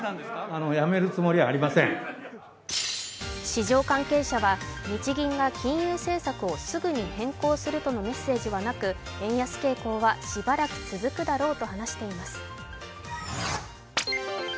市場関係者は、日銀が金融政策をすぐに変更するとのメッセージはなく円安傾向はしばらく続くだろうと話しています。